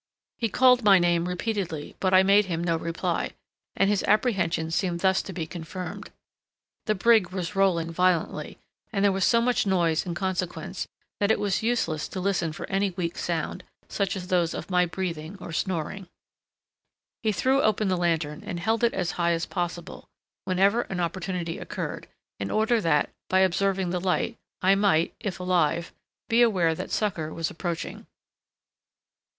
He called my name repeatedly, but I made him no reply, and his apprehensions seemed thus to be confirmed. The brig was rolling violently, and there was so much noise in consequence, that it was useless to listen for any weak sound, such as those of my breathing or snoring. He threw open the lantern, and held it as high as possible, whenever an opportunity occurred, in order that, by observing the light, I might, if alive, be aware that succor was approaching.